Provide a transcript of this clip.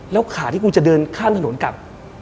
แล้วขาที่กูจะเดินข้ามถนนกลับ